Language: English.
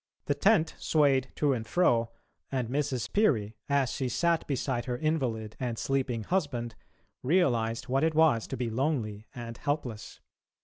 The tent swayed to and fro, and Mrs. Peary, as she sat beside her invalid and sleeping husband, realised what it was to be lonely and helpless.